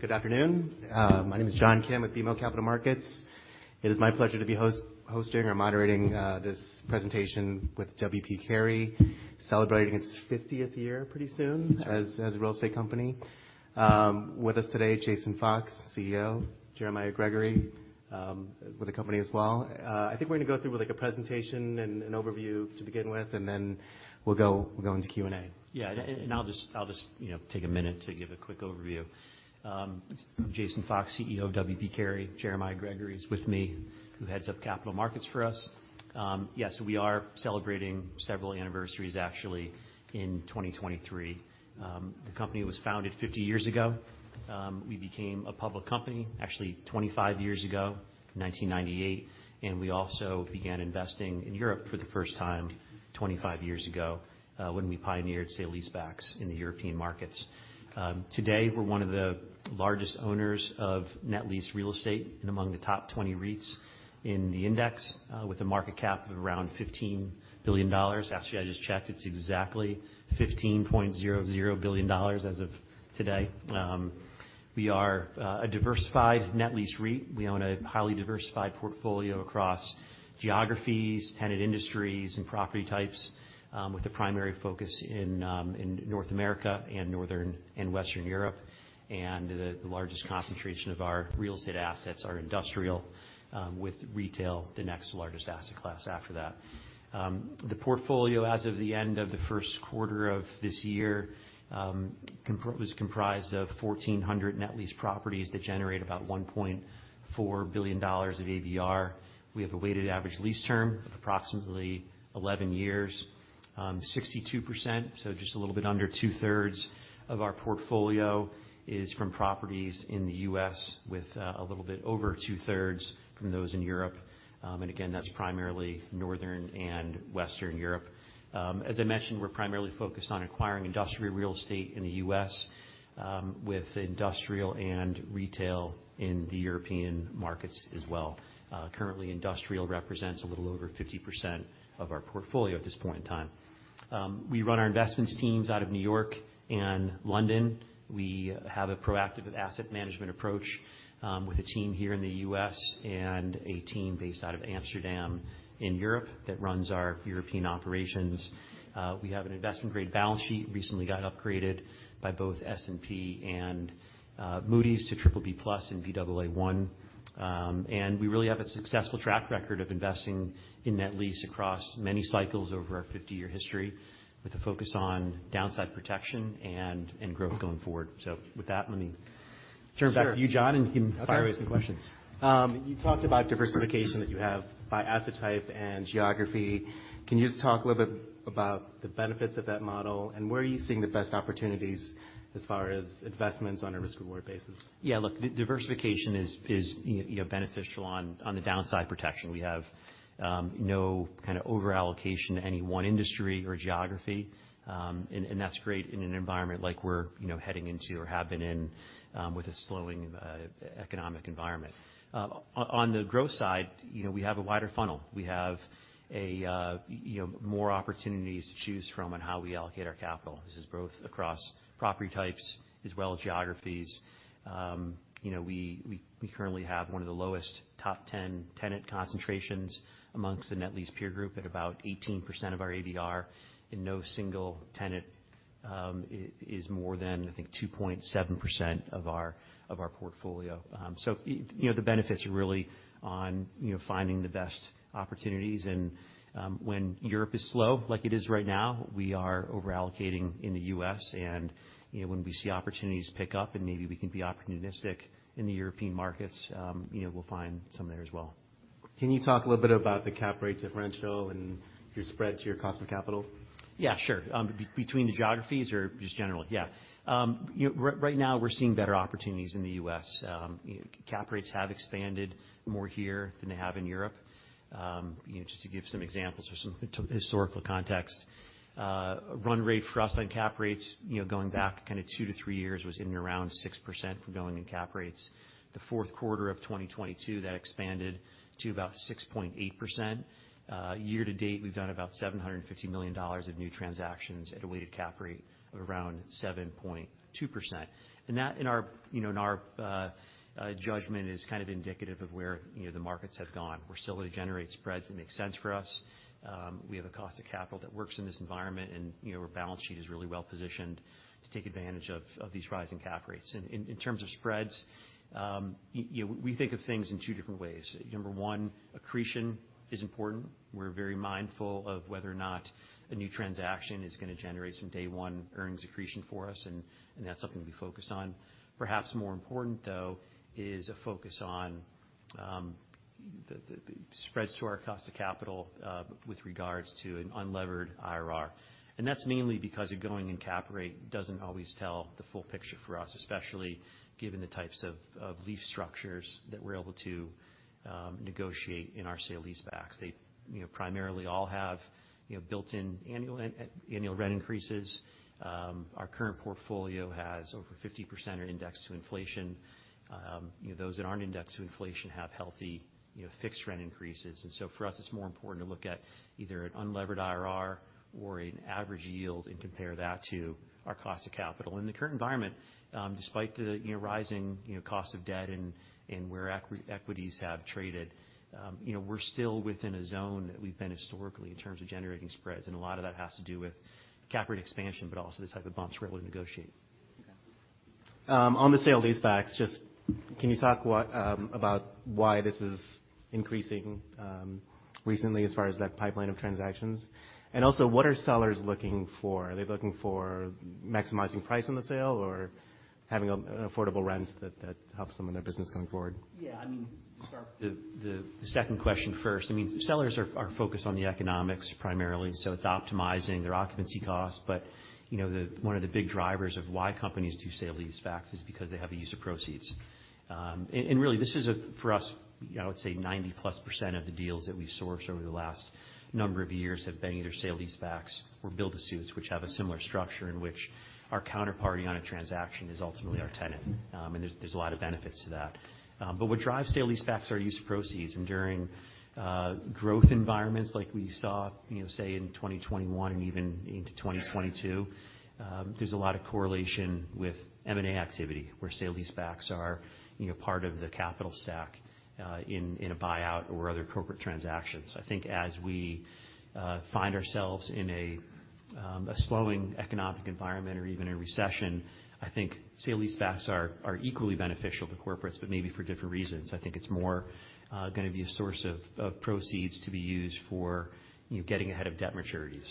Good afternoon. my name is John Kim with BMO Capital Markets. It is my pleasure to be hosting or moderating this presentation with W. P. Carey, celebrating its fiftieth year pretty soon, as a real estate company. With us today, Jason Fox, CEO, Jeremiah Gregory, with the company as well. I think we're gonna go through with, like, a presentation and an overview to begin with, and then we'll go into Q&A. I'll just, you know, take a minute to give a quick overview. I'm Jason Fox, CEO of W. P. Carey. Jeremiah Gregory is with me, who heads up capital markets for us. Yes, we are celebrating several anniversaries actually, in 2023. The company was founded 50 years ago. We became a public company, actually 25 years ago, 1998, and we also began investing in Europe for the first time 25 years ago, when we pioneered sale-leasebacks in the European markets. Today, we're one of the largest owners of net lease real estate and among the top 20 REITs in the index, with a market cap of around $15 billion. Actually, I just checked. It's exactly $15.00 billion as of today. We are a diversified net lease REIT. We own a highly diversified portfolio across geographies, tenant industries, and property types, with a primary focus in North America and Northern and Western Europe, and the largest concentration of our real estate assets are industrial, with retail, the next largest asset class after that. The portfolio as of the end of the first quarter of this year was comprised of 1,400 net lease properties that generate about $1.4 billion of ABR. We have a weighted average lease term of approximately 11 years. 62%, so just a little bit under 2/3 of our portfolio, is from properties in the U.S., with a little bit over 2/3 from those in Europe. Again, that's primarily Northern and Western Europe. As I mentioned, we're primarily focused on acquiring industrial real estate in the U.S., with industrial and retail in the European markets as well. Currently, industrial represents a little over 50% of our portfolio at this point in time. We run our investments teams out of New York and London. We have a proactive asset management approach, with a team here in the U.S. and a team based out of Amsterdam in Europe that runs our European operations. We have an investment grade balance sheet, recently got upgraded by both S&P and Moody's to BBB+ and Baa1. And we really have a successful track record of investing in net lease across many cycles over our 50-year history, with a focus on downside protection and growth going forward. With that, let me turn back to you, John, and you can fire away some questions. You talked about diversification that you have by asset type and geography. Can you just talk a little bit about the benefits of that model, where are you seeing the best opportunities as far as investments on a risk-reward basis? Yeah, look, diversification is, you know, beneficial on the downside protection. We have no kind of over allocation to any one industry or geography, and that's great in an environment like we're, you know, heading into or have been in, with a slowing economic environment. On the growth side, you know, we have a wider funnel. We have a, you know, more opportunities to choose from on how we allocate our capital. This is both across property types as well as geographies. You know, we currently have one of the lowest top 10 tenant concentrations amongst the net lease peer group at about 18% of our ABR, and no single tenant is more than, I think, 2.7% of our portfolio. You know, the benefits are really on, you know, finding the best opportunities and, when Europe is slow, like it is right now, we are over allocating in the U.S. You know, when we see opportunities pick up and maybe we can be opportunistic in the European markets, you know, we'll find some there as well. Can you talk a little bit about the cap rate differential and your spread to your cost of capital? Yeah, sure. Between the geographies or just generally? Yeah. Right now we're seeing better opportunities in the U.S. Cap rates have expanded more here than they have in Europe. You know, just to give some examples or some historical context, run rate for us on cap rates, you know, going back kind of two to three years, was in and around 6% for going in cap rates. The fourth quarter of 2022, that expanded to about 6.8%. Year to date, we've done about $750 million of new transactions at a weighted cap rate of around 7.2%. That, in our, you know, in our judgment, is kind of indicative of where, you know, the markets have gone. We're still able to generate spreads that make sense for us. We have a cost of capital that works in this environment, and, you know, our balance sheet is really well positioned to take advantage of these rising cap rates. In terms of spreads, you know, we think of things in two different ways. Number one, accretion is important. We're very mindful of whether or not a new transaction is gonna generate some day one earnings accretion for us, and that's something we focus on. Perhaps more important, though, is a focus on the spreads to our cost of capital with regards to an unlevered IRR. That's mainly because a going-in cap rate doesn't always tell the full picture for us, especially given the types of lease structures that we're able to negotiate in our sale-leasebacks. They, you know, primarily all have, you know, built-in annual rent increases. Our current portfolio has over 50% are indexed to inflation. You know, those that aren't indexed to inflation have healthy, you know, fixed rent increases. For us, it's more important to look at either an unlevered IRR or an average yield and compare that to our cost of capital. In the current environment, despite the, you know, rising, you know, cost of debt and where equities have traded, you know, we're still within a zone that we've been historically in terms of generating spreads, and a lot of that has to do with cap rate expansion, but also the type of bonds we're able to negotiate. On the sale-leasebacks, just can you talk about why this is increasing recently as far as that pipeline of transactions? What are sellers looking for? Are they looking for maximizing price on the sale or having an affordable rent that helps them in their business going forward? Yeah, I mean, to start with the second question first, I mean, sellers are focused on the economics primarily, so it's optimizing their occupancy costs. You know, one of the big drivers of why companies do sale-leasebacks is because they have a use of proceeds. And really, this is a, for us, I would say 90%+ of the deals that we've sourced over the last number of years have been either sale-leasebacks or build-to-suits, which have a similar structure in which our counterparty on a transaction is ultimately our tenant. And there's a lot of benefits to that. What drives sale-leasebacks are use of proceeds. During growth environments like we saw, you know, say, in 2021 and even into 2022, there's a lot of correlation with M&A activity, where sale-leasebacks are, you know, part of the capital stack in a buyout or other corporate transactions. I think as we find ourselves in a slowing economic environment or even a recession, I think sale-leasebacks are equally beneficial to corporates, but maybe for different reasons. I think it's more gonna be a source of proceeds to be used for, you know, getting ahead of debt maturities,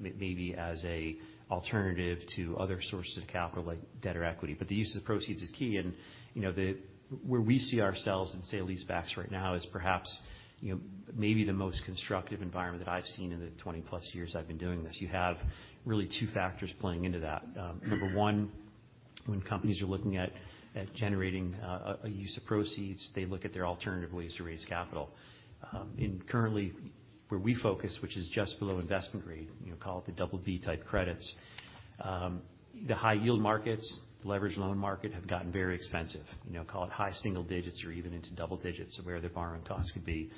maybe as a alternative to other sources of capital like debt or equity. The use of the proceeds is key, and, you know, the... Where we see ourselves in sale-leasebacks right now is perhaps, you know, maybe the most constructive environment that I've seen in the 20+ years I've been doing this. You have really two factors playing into that. Number one, when companies are looking at generating a use of proceeds, they look at their alternative ways to raise capital. Currently, where we focus, which is just below investment grade, you know, call it the BB-type credits, the high yield markets, leveraged loan market, have gotten very expensive. You know, call it high single digits or even into double digits of where their borrowing costs could be.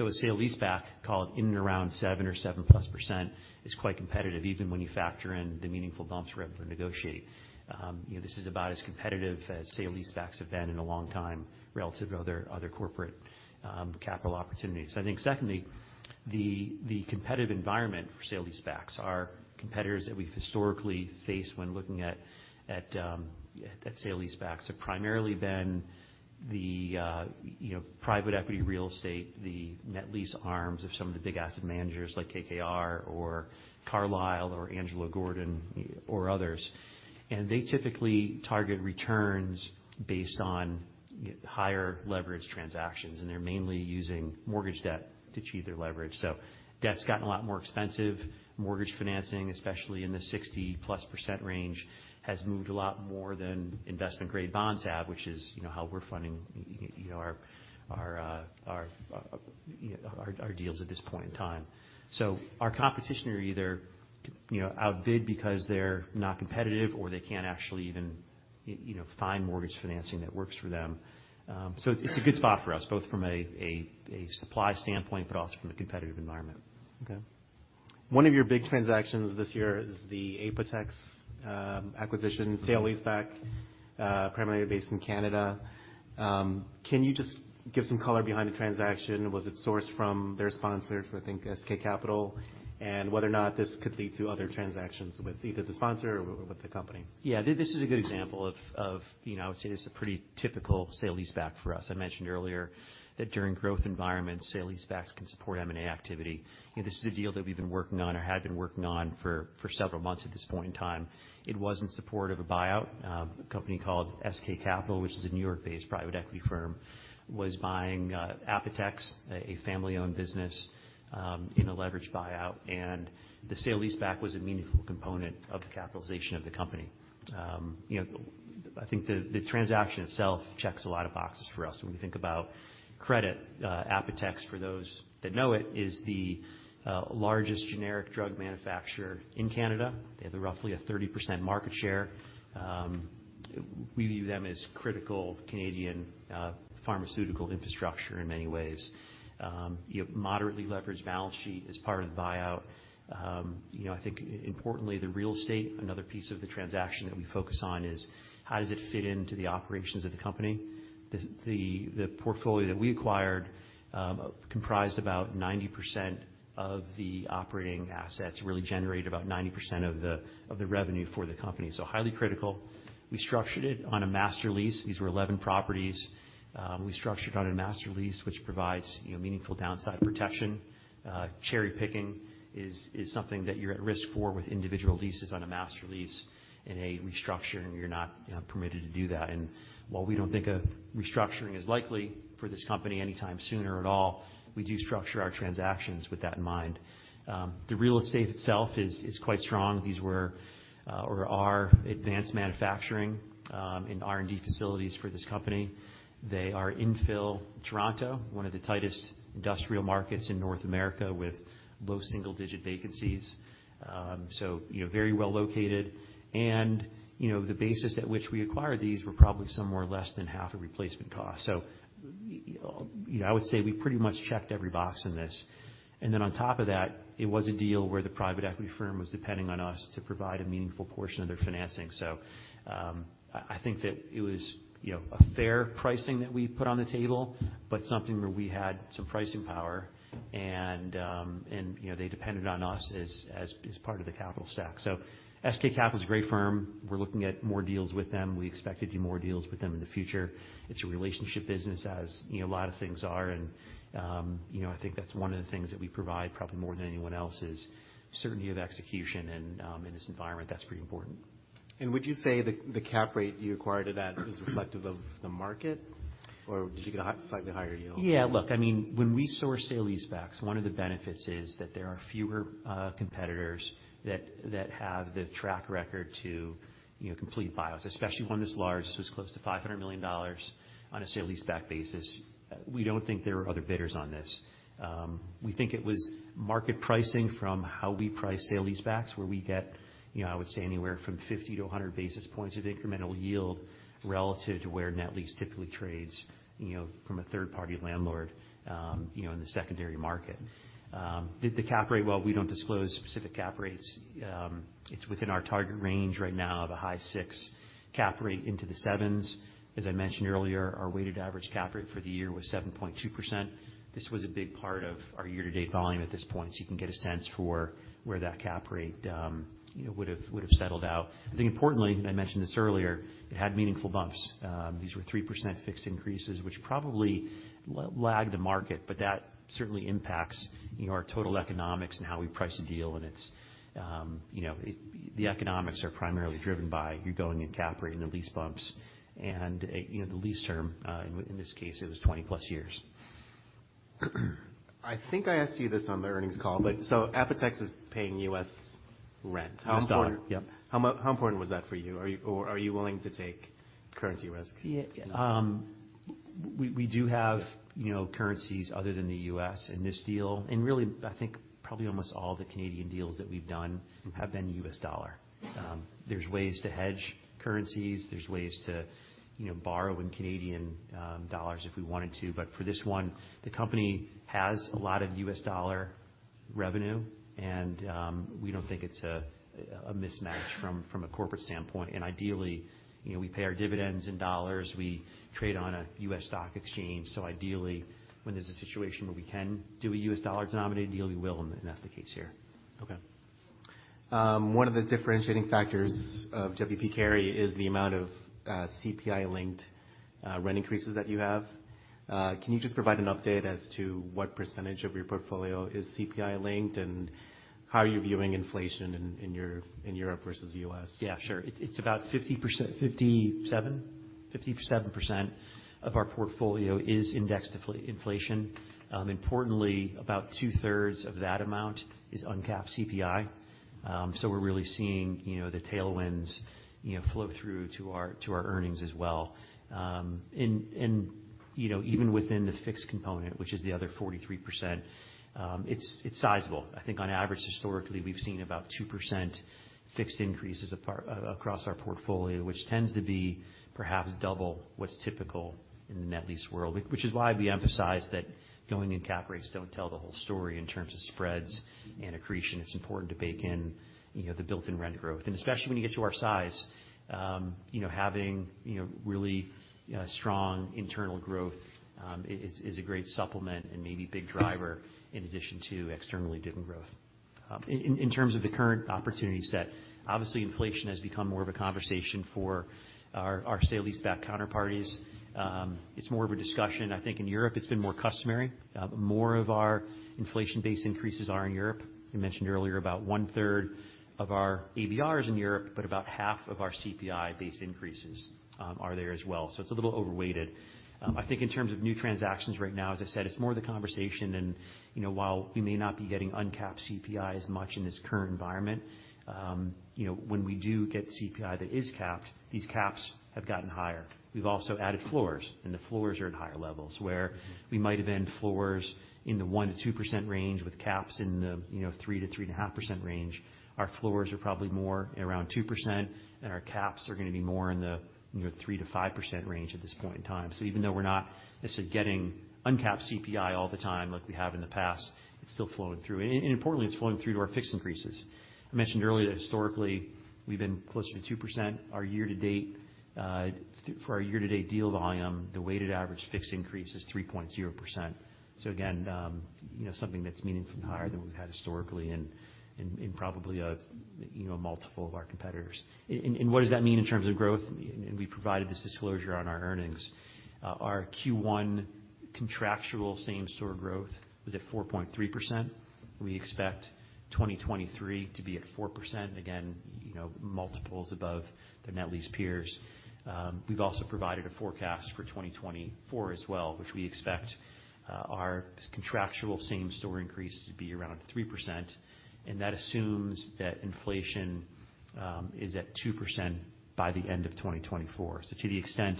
A sale-leaseback, call it in and around 7% or 7%+, is quite competitive, even when you factor in the meaningful bumps we're able to negotiate. you know, this is about as competitive as sale-leasebacks have been in a long time relative to other corporate capital opportunities. I think secondly, the competitive environment for sale-leasebacks are competitors that we've historically faced when looking at sale-leasebacks, have primarily been the, you know, private equity real estate, the net lease arms of some of the big asset managers like KKR or Carlyle or Angelo Gordon, or others. They typically target returns based on higher leverage transactions, and they're mainly using mortgage debt to achieve their leverage. Debt's gotten a lot more expensive. Mortgage financing, especially in the 60%+ range, has moved a lot more than investment grade bonds have, which is, you know, how we're funding, you know, our deals at this point in time. Our competition are either, you know, outbid because they're not competitive or they can't actually even, you know, find mortgage financing that works for them. It's a good spot for us, both from a supply standpoint, but also from a competitive environment. One of your big transactions this year is the Apotex acquisition, sale-leaseback, primarily based in Canada. Can you just give some color behind the transaction? Was it sourced from their sponsors, I think SK Capital, and whether or not this could lead to other transactions with either the sponsor or with the company? Yeah, this is a good example of, you know, I would say this is a pretty typical sale-leaseback for us. I mentioned earlier that during growth environments, sale-leasebacks can support M&A activity. You know, this is a deal that we've been working on or had been working on for several months at this point in time. It was in support of a buyout. A company called SK Capital, which is a New York-based private equity firm, was buying Apotex, a family-owned business in a leveraged buyout, and the sale-leaseback was a meaningful component of the capitalization of the company. You know, I think the transaction itself checks a lot of boxes for us when we think about credit. Apotex, for those that know it, is the largest generic drug manufacturer in Canada. They have a roughly a 30% market share. We view them as critical Canadian pharmaceutical infrastructure in many ways. You have moderately leveraged balance sheet as part of the buyout. You know, I think importantly, the real estate, another piece of the transaction that we focus on, is how does it fit into the operations of the company? The portfolio that we acquired, comprised about 90% of the operating assets, really generated about 90% of the revenue for the company, so highly critical. We structured it on a master lease. These were 11 properties. We structured on a master lease, which provides, you know, meaningful downside protection. Cherry picking is something that you're at risk for with individual leases on a master lease. In a restructuring, you're not permitted to do that. While we don't think a restructuring is likely for this company anytime soon or at all, we do structure our transactions with that in mind. The real estate itself is quite strong. These were or are advanced manufacturing and R&D facilities for this company. They are infill Toronto, one of the tightest industrial markets in North America, with low single-digit vacancies. You know, very well located. You know, the basis at which we acquired these were probably somewhere less than half of replacement cost. You know, I would say we pretty much checked every box in this. On top of that, it was a deal where the private equity firm was depending on us to provide a meaningful portion of their financing. I think that it was, you know, a fair pricing that we put on the table, but something where we had some pricing power, and, you know, they depended on us as part of the capital stack. SK Capital is a great firm. We're looking at more deals with them. We expect to do more deals with them in the future. It's a relationship business, as, you know, a lot of things are. You know, I think that's one of the things that we provide, probably more than anyone else, is certainty of execution, and in this environment, that's pretty important. Would you say that the cap rate you acquired at that is reflective of the market, or did you get a hot, slightly higher yield? Yeah, look, I mean, when we source sale-leasebacks, one of the benefits is that there are fewer competitors that have the track record to, you know, complete bios, especially one this large. This was close to $500 million on a sale-leaseback basis. We don't think there are other bidders on this. We think it was market pricing from how we price sale-leasebacks, where we get, you know, I would say anywhere from 50 to 100 basis points of incremental yield relative to where net lease typically trades, you know, from a third-party landlord, you know, in the secondary market. Did the cap rate. Well, we don't disclose specific cap rates. It's within our target range right now of a high six cap rate into the sevens. As I mentioned earlier, our weighted average cap rate for the year was 7.2%. This was a big part of our year-to-date volume at this point, so you can get a sense for where that cap rate, you know, would've settled out. I think importantly, and I mentioned this earlier, it had meaningful bumps. These were 3% fixed increases, which probably lag the market, but that certainly impacts, you know, our total economics and how we price a deal, and it's, you know, the economics are primarily driven by, you're going in cap rate and the lease bumps. You know, the lease term, in this case, it was 20+ years. I think I asked you this on the earnings call, Apotex is paying U.S. rent. Yes, U.S. dollar. Yep. How important was that for you? Or are you willing to take currency risk? Yeah. We do have, you know, currencies other than the U.S. in this deal, really, I think probably almost all the Canadian deals that we've done have been U.S. dollar. There's ways to hedge currencies. There's ways to, you know, borrow in Canadian dollars if we wanted to. For this one, the company has a lot of U.S. dollar revenue, and we don't think it's a mismatch from a corporate standpoint. Ideally, you know, we pay our dividends in dollars. We trade on a U.S. stock exchange. Ideally, when there's a situation where we can do a U.S. dollar-denominated deal, we will, and that's the case here. One of the differentiating factors of W. P. Carey is the amount of CPI-linked rent increases that you have. Can you just provide an update as to what % of your portfolio is CPI-linked, and how are you viewing inflation in Europe versus U.S.? Yeah, sure. It's about 57% of our portfolio is indexed to inflation. Importantly, about 2/3 of that amount is uncapped CPI. We're really seeing, you know, the tailwinds, you know, flow through to our earnings as well. You know, even within the fixed component, which is the other 43%, it's sizable. I think on average, historically, we've seen about 2% fixed increases across our portfolio, which tends to be perhaps double what's typical in the net lease world. That is why we emphasize that going in cap rates don't tell the whole story in terms of spreads and accretion. It's important to bake in, you know, the built-in rent growth, and especially when you get to our size, you know, having, you know, really strong internal growth, is a great supplement and maybe big driver in addition to externally driven growth. In terms of the current opportunity set, obviously, inflation has become more of a conversation for our sale-leaseback counterparties. It's more of a discussion. I think in Europe, it's been more customary. More of our inflation base increases are in Europe. I mentioned earlier, about 1/3 of our ABR is in Europe, but about half of our CPI base increases, are there as well, so it's a little overweighted. I think in terms of new transactions right now, as I said, it's more the conversation than, you know, while we may not be getting uncapped CPI as much in this current environment, you know, when we do get CPI that is capped, these caps have gotten higher. We've also added floors, and the floors are at higher levels, where we might have been floors in the 1%-2% range with caps in the, you know, 3%-3.5% range. Our floors are probably more around 2%, and our caps are going to be more in the, you know, 3%-5% range at this point in time. Even though we're not, I said, getting uncapped CPI all the time like we have in the past, it's still flowing through. Importantly, it's flowing through to our fixed increases. I mentioned earlier that historically, we've been closer to 2%. Our year to date, for our year-to-date deal volume, the weighted average fixed increase is 3.0%. Again, you know, something that's meaningfully higher than we've had historically and probably a, you know, multiple of our competitors. What does that mean in terms of growth? We provided this disclosure on our earnings. Our Q1 contractual same-store growth was at 4.3%. We expect 2023 to be at 4%. Again, you know, multiples above the net lease peers. We've also provided a forecast for 2024 as well, which we expect our contractual same-store increase to be around 3%, and that assumes that inflation is at 2% by the end of 2024. To the extent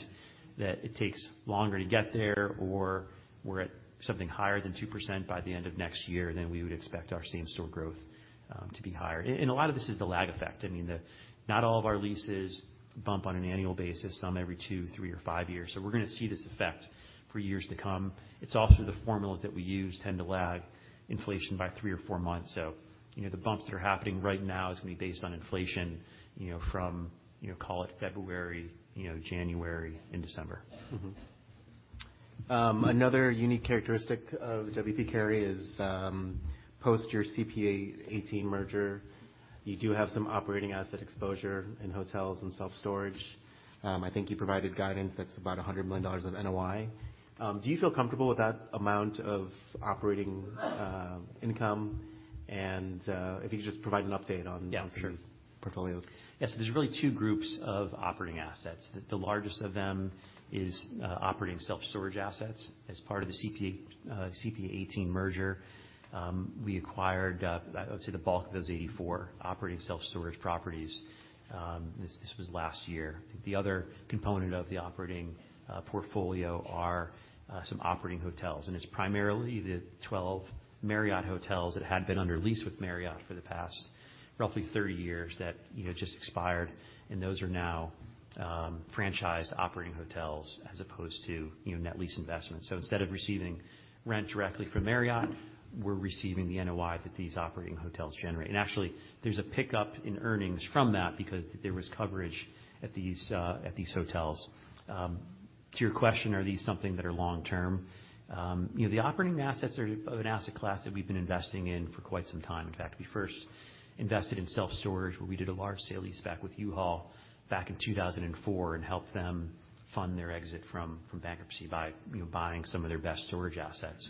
that it takes longer to get there, or we're at something higher than 2% by the end of next year, then we would expect our same-store growth to be higher. A lot of this is the lag effect. Not all of our leases bump on an annual basis, some every two, three, or five years. We're going to see this effect for years to come. It's also the formulas that we use tend to lag inflation by three or four months. You know, the bumps that are happening right now is going to be based on inflation, you know, from, you know, call it February, you know, January, and December. Another unique characteristic of W. P. Carey is, post your CPA:18 merger, you do have some operating asset exposure in hotels and self-storage. I think you provided guidance that's about $100 million of NOI. Do you feel comfortable with that amount of operating income? If you could just provide an update on- Yeah, sure. Those portfolios. Yes, there's really two groups of operating assets. The largest of them is operating self-storage assets. As part of the CPA:18 merger, we acquired, I would say, the bulk of those 84 operating self-storage properties. This was last year. The other component of the operating portfolio are some operating hotels, and it's primarily the 12 Marriott hotels that had been under lease with Marriott for the past, roughly 30 years, that, you know, just expired, and those are now franchised operating hotels as opposed to, you know, net lease investments. Instead of receiving rent directly from Marriott, we're receiving the NOI that these operating hotels generate. Actually, there's a pickup in earnings from that because there was coverage at these hotels. To your question, are these something that are long term? You know, the operating assets are of an asset class that we've been investing in for quite some time. In fact, we first invested in self-storage, where we did a large sale-leaseback with U-Haul back in 2004, and helped them fund their exit from bankruptcy by, you know, buying some of their best storage assets.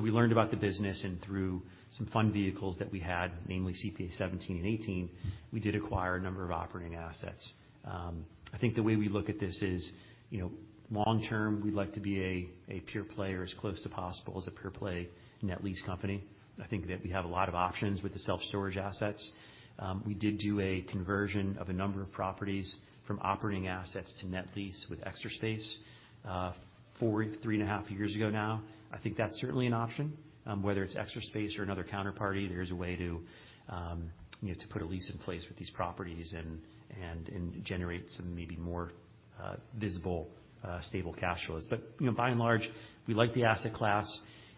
We learned about the business, and through some fund vehicles that we had, namely CPA:17 and CPA:18, we did acquire a number of operating assets. I think the way we look at this is, you know, long term, we'd like to be a pure player, as close to possible, as a pure play net lease company. I think that we have a lot of options with the self-storage assets. We did do a conversion of a number of properties from operating assets to net lease with Extra Space, four, three and a half years ago now. I think that's certainly an option, whether it's Extra Space or another counterparty, there's a way to, you know, to put a lease in place with these properties and generate some maybe more visible, stable cash flows. You know, by and large, we like the asset class.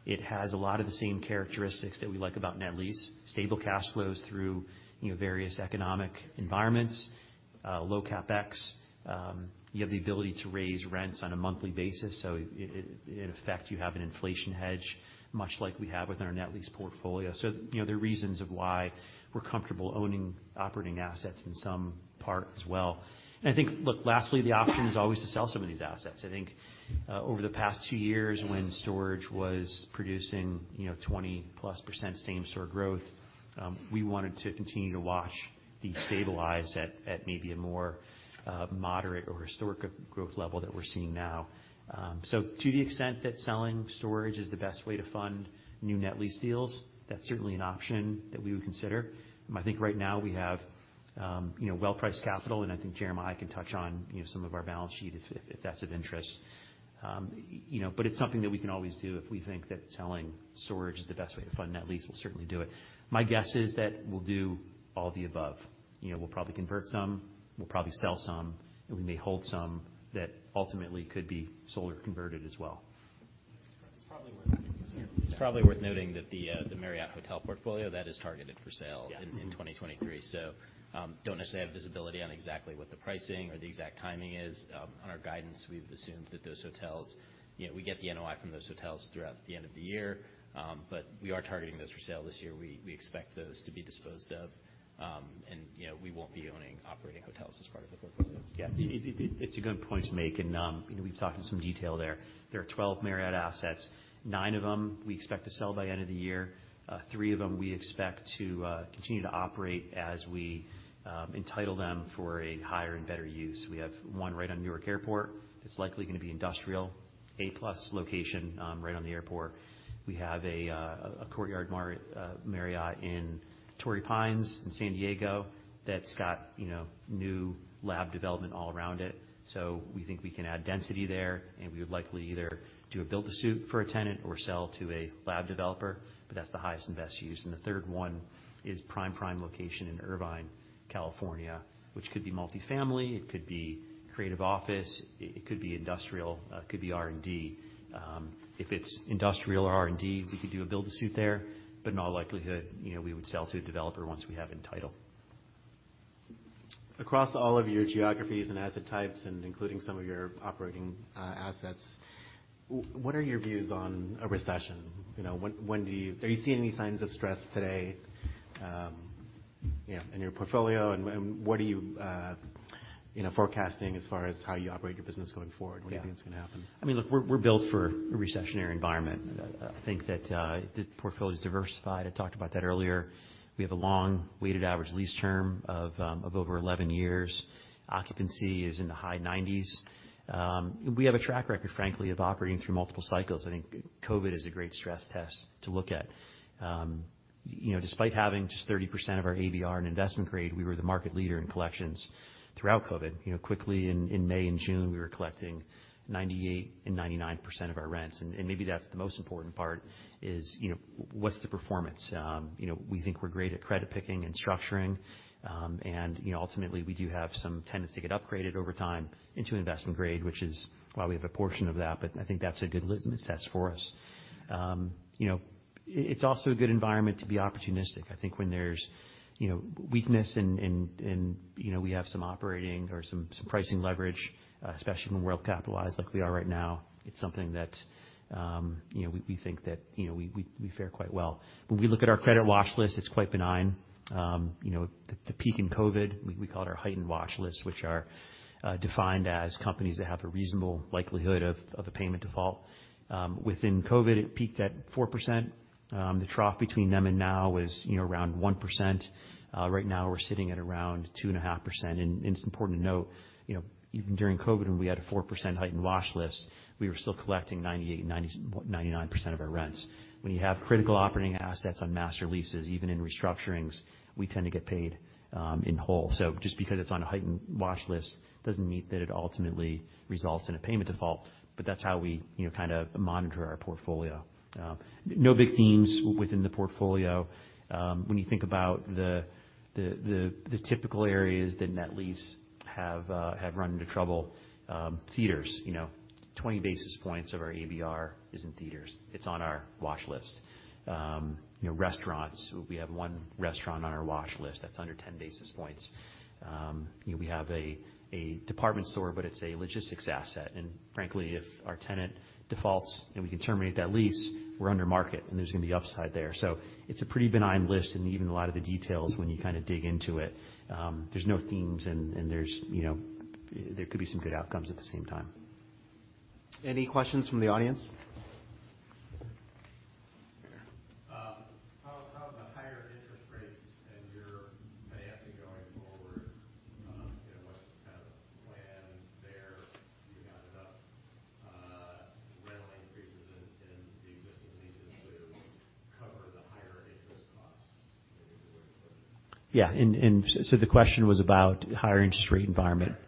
It has a lot of the same characteristics that we like about net lease. Stable cash flows through, you know, various economic environments, low CapEx. You have the ability to raise rents on a monthly basis, so in effect, you have an inflation hedge, much like we have with our net lease portfolio. You know, there are reasons of why we're comfortable owning operating assets in some part as well. I think, look, lastly, the option is always to sell some of these assets. I think, over the past two years, when storage was producing, you know, 20%+ same-store growth, we wanted to continue to watch these stabilize at maybe a more moderate or historic growth level that we're seeing now. To the extent that selling storage is the best way to fund new net lease deals, that's certainly an option that we would consider. I think right now we have, you know, well-priced capital, and I think Jeremiah can touch on, you know, some of our balance sheet, if that's of interest. You know, it's something that we can always do. If we think that selling storage is the best way to fund net lease, we'll certainly do it. My guess is that we'll do all the above. You know, we'll probably convert some, we'll probably sell some, and we may hold some that ultimately could be sold or converted as well. It's probably worth noting that the Marriott Hotel portfolio, that is targeted for sale. Yeah. In 2023. Don't necessarily have visibility on exactly what the pricing or the exact timing is. On our guidance, we've assumed that those hotels. You know, we get the NOI from those hotels throughout the end of the year. We are targeting those for sale this year. We expect those to be disposed of, you know, we won't be owning operating hotels as part of the portfolio. It's a good point to make, you know, we've talked in some detail there. There are 12 Marriott assets. Nine of them, we expect to sell by end of the year. Three of them, we expect to continue to operate as we entitle them for a higher and better use. We have one right on Newark Airport. It's likely gonna be industrial, A+ location, right on the airport. We have a Courtyard Marriott in Torrey Pines in San Diego, that's got, you know, new lab development all around it. We think we can add density there, and we would likely either do a build-to-suit for a tenant or sell to a lab developer, but that's the highest and best use. The third one is prime location in Irvine, California, which could be multifamily, it could be creative office, it could be industrial, it could be R&D. If it's industrial or R&D, we could do a build-to-suit there, but in all likelihood, you know, we would sell to a developer once we have it entitled. Across all of your geographies and asset types, and including some of your operating assets, what are your views on a recession? You know, when Are you seeing any signs of stress today, you know, in your portfolio? What are you know, forecasting as far as how you operate your business going forward? Yeah. What do you think is gonna happen? I mean, look, we're built for a recessionary environment. I think that the portfolio is diversified. I talked about that earlier. We have a long weighted average lease term of over 11 years. Occupancy is in the high 90s. You know, despite having just 30% of our ABR and investment grade, we were the market leader in collections throughout COVID. You know, quickly in May and June, we were collecting 98% and 99% of our rents. Maybe that's the most important part is, you know, what's the performance? You know, we think we're great at credit picking and structuring. You know, ultimately, we do have some tenants to get upgraded over time into investment grade, which is why we have a portion of that. I think that's a good litmus test for us. You know, it's also a good environment to be opportunistic. I think when there's, you know, weakness in, in, you know, we have some operating or some pricing leverage, especially when we're well capitalized like we are right now, it's something that, you know, we think that, you know, we fare quite well. When we look at our credit watch list, it's quite benign. You know, the peak in COVID, we call it our heightened watch list, which are defined as companies that have a reasonable likelihood of a payment default. Within COVID, it peaked at 4%. The trough between them and now is, you know, around 1%. Right now we're sitting at around 2.5%. It's important to note, you know, even during COVID, when we had a 4% heightened watch list, we were still collecting 98%, 99% of our rents. When you have critical operating assets on master leases, even in restructurings, we tend to get paid in whole. Just because it's on a heightened watch list, doesn't mean that it ultimately results in a payment default. That's how we, you know, kind of monitor our portfolio. No big themes within the portfolio. When you think about the typical areas that net lease have run into trouble, theaters. You know, 20 basis points of our ABR is in theaters. It's on our watch list. You know, restaurants, we have one restaurant on our watch list. That's under 10 basis points. You know, we have a department store, it's a logistics asset. Frankly, if our tenant defaults and we can terminate that lease, we're under market, and there's gonna be upside there. It's a pretty benign list, and even a lot of the details when you kinda dig into it, there's no themes and there's, you know, there could be some good outcomes at the same time. Any questions from the audience? How are the higher interest rates and your financing going forward? You know, what's kind of the plan there? Do you have enough rental increases in the existing leases to cover the higher interest costs maybe the way forward? Yeah. The question was about higher interest rate environment.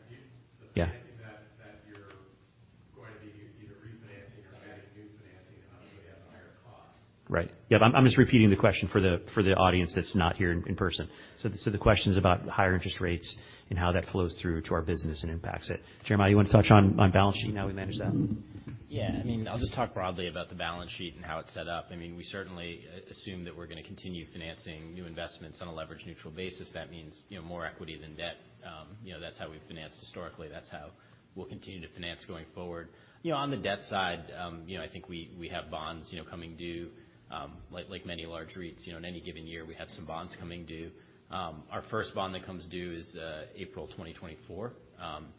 Yeah. Yeah. I think that you're going to be either refinancing or getting new financing, and obviously have a higher cost. Right. Yeah, I'm just repeating the question for the audience that's not here in person. The question is about higher interest rates and how that flows through to our business and impacts it. Jeremiah, you want to touch on balance sheet and how we manage that? Yeah. I mean, I'll just talk broadly about the balance sheet and how it's set up. I mean, we certainly assume that we're gonna continue financing new investments on a leverage-neutral basis. That means, you know, more equity than debt. You know, that's how we've financed historically. That's how we'll continue to finance going forward. You know, on the debt side, you know, I think we have bonds, you know, coming due, like many large REITs. You know, in any given year, we have some bonds coming due. Our first bond that comes due is April 2024.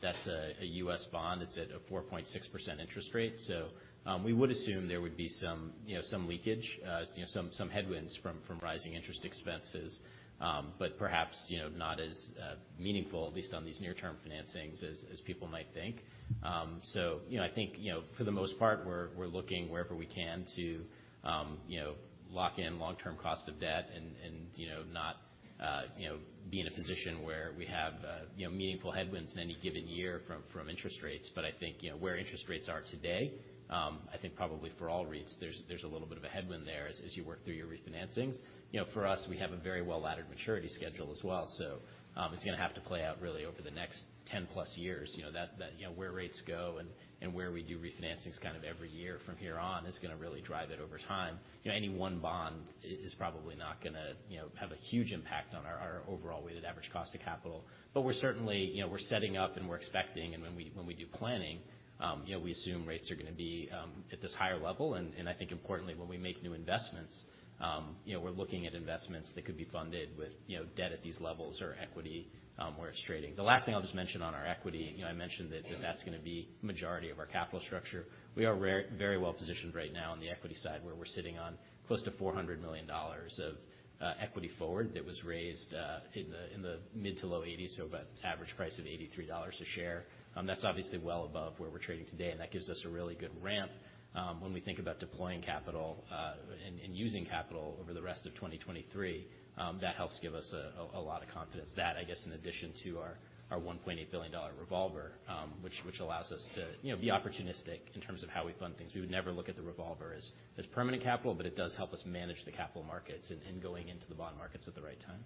That's a U.S. bond. It's at a 4.6% interest rate. We would assume there would be some, you know, some leakage, you know, some headwinds from rising interest expenses, but perhaps, you know, not as meaningful, at least on these near-term financings, as people might think. You know, I think, you know, for the most part, we're looking wherever we can to, you know, lock in long-term cost of debt and, you know, not, you know, be in a position where we have, you know, meaningful headwinds in any given year from interest rates. I think, you know, where interest rates are today, I think probably for all REITs, there's a little bit of a headwind there as you work through your refinancings. For us, we have a very well-laddered maturity schedule as well. It's gonna have to play out really over the next 10+ years. You know, that, you know, where rates go and where we do refinancings kind of every year from here on, is gonna really drive it over time. You know, any one bond is probably not gonna, you know, have a huge impact on our overall weighted average cost of capital. We're certainly, you know, we're setting up, and we're expecting, and when we do planning, you know, we assume rates are gonna be at this higher level. I think importantly, when we make new investments, you know, we're looking at investments that could be funded with, you know, debt at these levels or equity, where it's trading. The last thing I'll just mention on our equity, you know, I mentioned that's gonna be majority of our capital structure. We are very, very well positioned right now on the equity side, where we're sitting on close to $400 million of equity forward that was raised in the mid-to-low 80s, so about average price of $83 a share. That's obviously well above where we're trading today, and that gives us a really good ramp when we think about deploying capital and using capital over the rest of 2023. That helps give us a lot of confidence. That, I guess, in addition to our $1.8 billion revolver, which allows us to, you know, be opportunistic in terms of how we fund things. We would never look at the revolver as permanent capital, but it does help us manage the capital markets and going into the bond markets at the right time.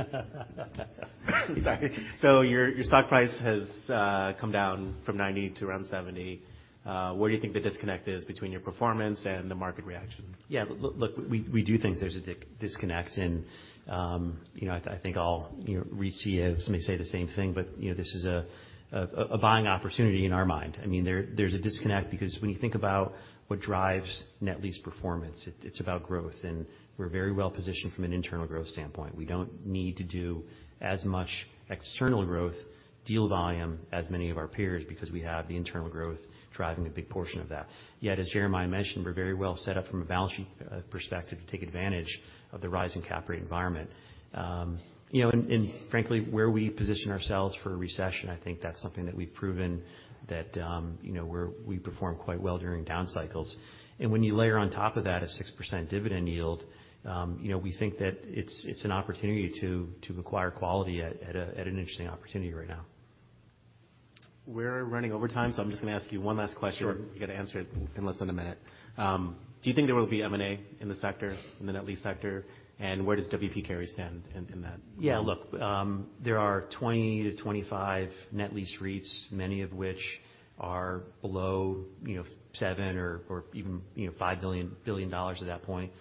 Stock has declined from about $90 to about $70 in the last few weeks. A lot of equity, a lot of things... Where do you think the disconnect is? Do you want me to repeat the question? Yeah, go ahead. Sorry. Your stock price has come down from $90 to around $70. Where do you think the disconnect is between your performance and the market reaction? Yeah, we do think there's a disconnect, you know, I think all, you know, REITs may say the same thing, but, you know, this is a buying opportunity in our mind. I mean, there's a disconnect because when you think about what drives net lease performance, it's about growth, and we're very well positioned from an internal growth standpoint. We don't need to do as much external growth, deal volume as many of our peers, because we have the internal growth driving a big portion of that. As Jeremiah mentioned, we're very well set up from a balance sheet perspective to take advantage of the rising cap rate environment. You know, and frankly, where we position ourselves for a recession, I think that's something that we've proven that, we perform quite well during down cycles. When you layer on top of that, a 6% dividend yield, you know, we think that it's an opportunity to acquire quality at a, at an interesting opportunity right now. We're running over time, so I'm just gonna ask you one last question. Sure. You got to answer it in less than a minute. Do you think there will be M&A in the sector, in the net lease sector? Where does W. P. Carey stand in that? Look, there are 20-25 net lease REITs, many of which are below, you know, seven or even, you know, $5 billion at that point.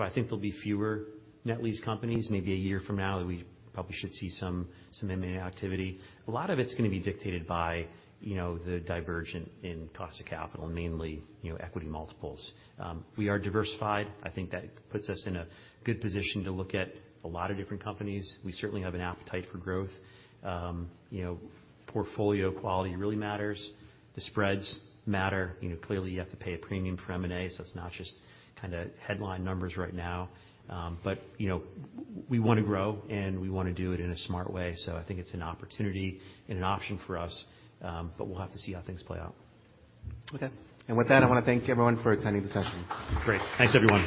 I think there'll be fewer net lease companies maybe a year from now, that we probably should see some M&A activity. A lot of it's gonna be dictated by, you know, the diversion in cost of capital, mainly, you know, equity multiples. We are diversified. I think that puts us in a good position to look at a lot of different companies. We certainly have an appetite for growth. You know, portfolio quality really matters. The spreads matter. You know, clearly, you have to pay a premium for M&A, so it's not just kind of headline numbers right now. You know, we want to grow, and we want to do it in a smart way. I think it's an opportunity and an option for us, but we'll have to see how things play out. Okay. With that, I want to thank everyone for attending the session. Great. Thanks, everyone.